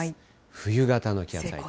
冬型の気圧配置。